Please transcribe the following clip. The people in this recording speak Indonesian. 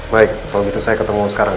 baik kalau gitu saya ketemu sekarang